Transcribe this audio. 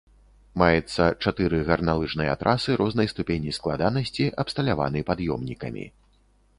Маецца чатыры гарналыжныя трасы рознай ступені складанасці абсталяваны пад'ёмнікамі.